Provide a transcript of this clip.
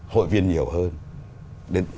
hội viên nhiều hơn